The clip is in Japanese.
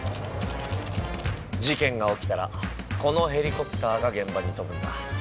事件が起きたらこのヘリコプターが現場に飛ぶんだ。